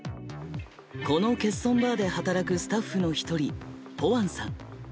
この欠損バーで働くスタッフの１人、ぽわんさん。